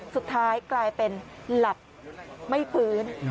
สุดท้ายกลายเป็นหลับไม่ฟื้น